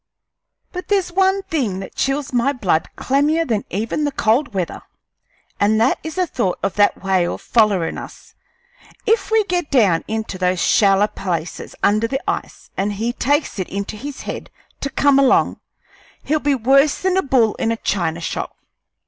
But there's one thing that chills my blood clammier than even the cold weather, and that is the thought of that whale follerin' us. If we get down into those shaller places under the ice an' he takes it into his head to come along, he'll be worse than a bull in a china shop.